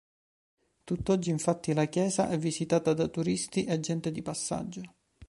Tutt'oggi, infatti, la chiesa è visitata da turisti e gente di passaggio.